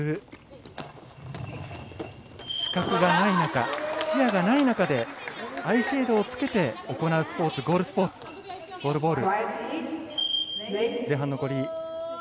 全く、視覚がない中視野がない中でアイシェードをつけて行うスポーツ、ゴールボール。